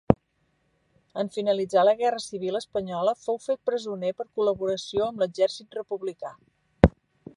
En finalitzar la Guerra Civil espanyola fou fet presoner per col·laboració amb l'exèrcit republicà.